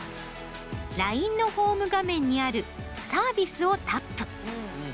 ＬＩＮＥのホーム画面にあるサービスをタップ。